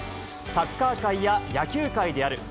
サッカー界や野球界である！